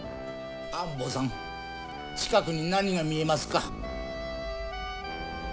安保さん近くに何が見えますか？